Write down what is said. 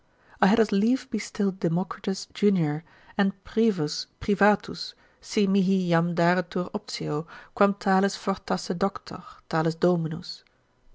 I had as lief be still Democritus junior, and privus privatus, si mihi jam daretur optio, quam talis fortasse Doctor, talis Dominus.